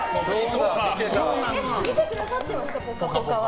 見てくださってますか「ぽかぽか」は。